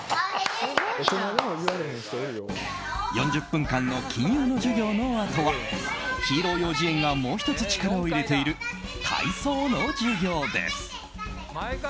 ４０分間の金融の授業のあとはヒーロー幼児園がもう１つ力を入れている体操の授業です。